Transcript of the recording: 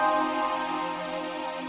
tia tia bu